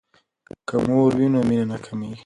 که مور وي نو مینه نه کمیږي.